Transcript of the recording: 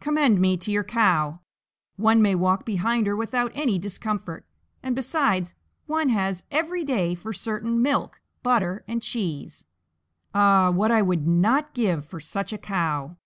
Commend me to your cow: one may walk behind her without any discomfort, and besides one has, every day for certain, milk, butter, and cheese. Ah! what would I not give for such a cow!"